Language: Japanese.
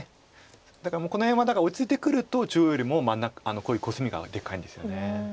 だからもうこの辺は落ち着いてくると中央よりもこういうコスミがでっかいんですよね。